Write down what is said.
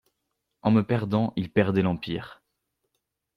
En me perdant, il perdait l'empire!